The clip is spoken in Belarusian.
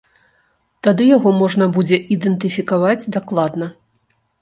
Тады яго можна будзе ідэнтыфікаваць дакладна.